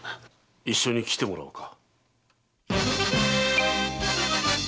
一緒に来てもらおうか。